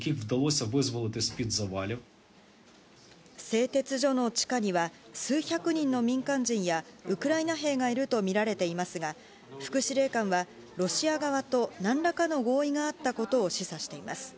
製鉄所の地下には、数百人の民間人やウクライナ兵がいると見られていますが、副司令官は、ロシア側となんらかの合意があったことを示唆しています。